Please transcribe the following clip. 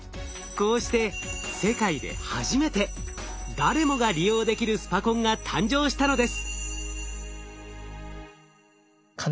こうして世界で初めて誰もが利用できるスパコンが誕生したのです。